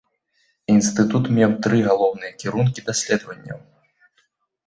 Інстытут меў тры галоўныя кірункі даследаванняў.